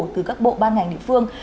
từ các bộ ban ngành địa phương